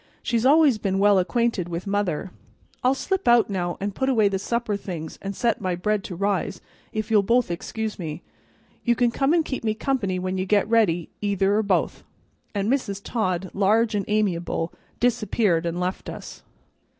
She's always been well acquainted with mother. I'll slip out now an' put away the supper things an' set my bread to rise, if you'll both excuse me. You can come an' keep me company when you get ready, either or both." And Mrs. Todd, large and amiable, disappeared and left us.